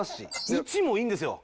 位置もいいんですよ。